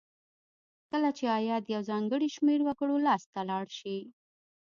کله چې عاید یو ځانګړي شمیر وګړو لاس ته لاړ شي.